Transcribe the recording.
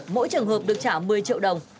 mỗi trường hợp được trả một mươi triệu đồng